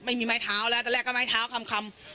ไม่มีไม้เท้าแล้วตอนแรกก็ไม้เท้าคำ